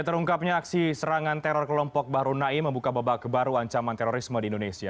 terungkapnya aksi serangan teror kelompok bahru naim membuka babak baru ancaman terorisme di indonesia